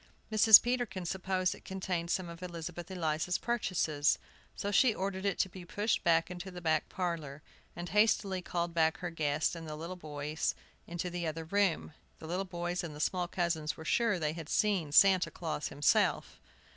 Mrs. Peterkin supposed it contained some of Elizabeth Eliza's purchases, so she ordered it to be pushed into the back parlor, and hastily called back her guests and the little boys into the other room. The little boys and the small cousins were sure they had seen Santa Claus himself.